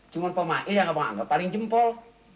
cuma pak mail yang gak menganggap paling jempol